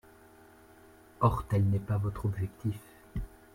Or tel n’est pas votre objectif.